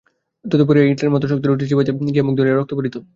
তদুপরি এই ইঁটের মত শক্ত রুটি চিবাইতে গিয়া মুখ দিয়া রক্ত পড়িত।